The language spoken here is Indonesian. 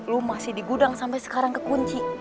lu masih di gudang sampai sekarang kekunci